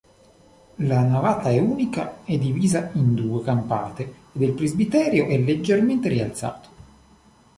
La navata è unica divisa in due campate ed il presbiterio è leggermente rialzato.